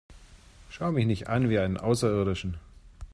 Schau mich nicht an wie einen Außerirdischen!